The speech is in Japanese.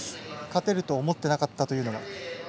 勝てると思ってなかったというのは？